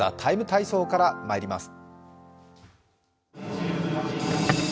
「ＴＨＥＴＩＭＥ，体操」からまいります。